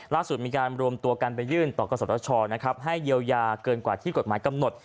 ล่าสุดมีการรวมตัวกันไปยื่นต่อกษชนะครับให้เยียวยาเกินกว่าที่กฎหมายกำหนด